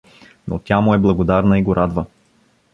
Но тя му е благодарна и го радва.